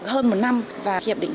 hơn một năm và hiệp định